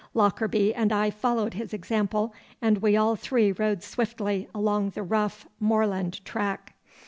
Lockarby and I followed his example, and we all three rode swiftly along the rough moorland track.